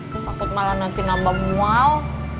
takut malah nanti nambah mual